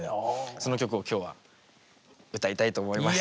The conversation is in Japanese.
その曲を今日は歌いたいと思います。